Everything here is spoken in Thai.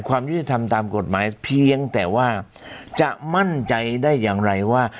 ความยุติธรรมตามกฎหมายเพียงแต่ว่าจะมั่นใจได้อย่างไรว่า